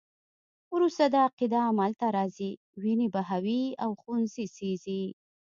وروسته دا عقیده عمل ته راځي، وینې بهوي او ښوونځي سیزي.